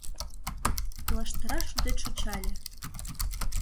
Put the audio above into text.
Лаштыра шудет шочале.